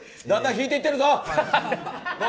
だんだん引いていってるぞ。